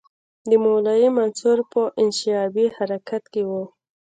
د مولوي منصور په انشعابي حرکت کې وو.